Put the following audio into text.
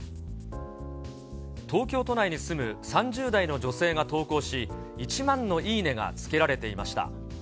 東京都内に住む３０代の女性が投稿し、１万のいいねがつけられていました。